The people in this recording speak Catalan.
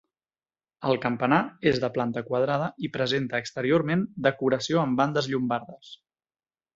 El campanar és de planta quadrada i presenta exteriorment decoració amb bandes llombardes.